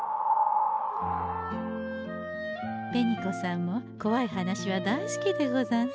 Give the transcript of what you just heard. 紅子さんもこわい話は大好きでござんす。